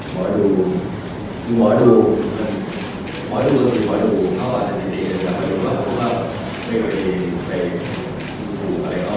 พอดู